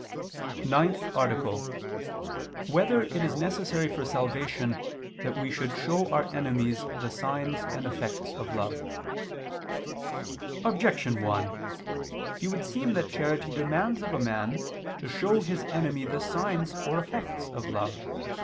_______________________ NINTH ARTICLE [II II, Q. 25, Art. 9] Whether It Is Necessary for Salvation That We Should Show Our Enemies the Signs and Effects of Love? Objection 1: It would seem that charity demands of a man to show his enemy the signs or effects of love.